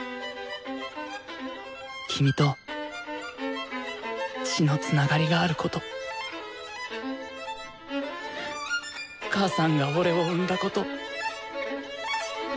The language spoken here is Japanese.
君と血のつながりがあること母さんが俺を産んだこと。